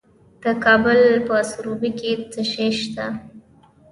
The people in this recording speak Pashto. د کابل په سروبي کې څه شی شته؟